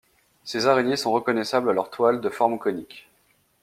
Ces araignées sont reconnaissables à leurs toiles de forme conique.